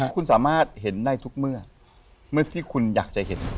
คุณสามารถเห็นได้ทุกเมื่อเมื่อที่คุณอยากจะเห็น